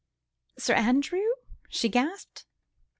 ." "Sir Andrew!" she gasped.